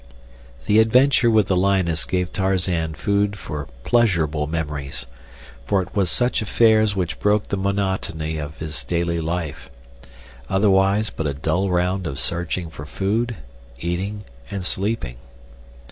The adventure with the lioness gave Tarzan food for pleasurable memories, for it was such affairs which broke the monotony of his daily life—otherwise but a dull round of searching for food, eating, and sleeping.